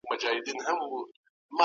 ما پرون د پښتو یو نوی لغت زده کړی.